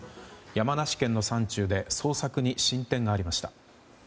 山梨県の山中で捜索に進展がありました。